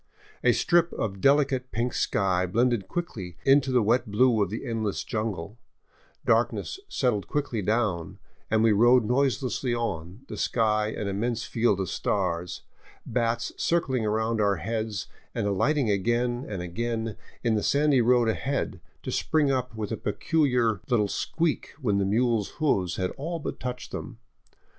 A strip of delicate pink sky blended quickly into the wet blue of the endless jungle, darkness settled quickly down, and we rode noiselessly on, the sky an immense field of stars, bats circling around our heads and alighting again and again in the sandy road ahead, to spring up with a peculiar little squeak when the mule's hoofs had all but touched them.